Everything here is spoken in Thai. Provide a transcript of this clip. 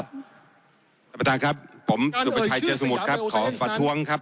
ท่านประธานครับผมสุประชัยเจอสมุทรครับขอประท้วงครับ